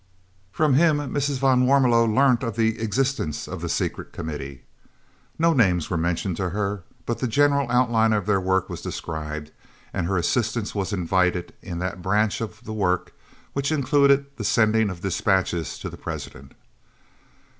From him Mrs. van Warmelo learnt of the existence of the Secret Committee. No names were mentioned to her, but the general outline of their work was described, and her assistance was invited in that branch of the work which included the sending of dispatches to the President.